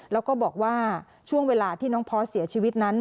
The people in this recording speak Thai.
แล้วก็บอกว่าช่วงเวลาที่น้องพอสเสียชีวิตนั้น